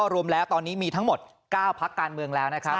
รวมแล้วตอนนี้มีทั้งหมด๙ภาคการเมือง